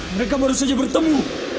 mereka baru saja bertemu